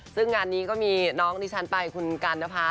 ซึ่งงานนี้ก็มีน้องดิฉันไปคุณกันนภา